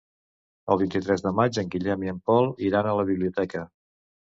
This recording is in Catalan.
El vint-i-tres de maig en Guillem i en Pol iran a la biblioteca.